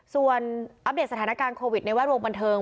ส่วนอัปเดตสถานการณ์โควิดในแวดวงบันเทิง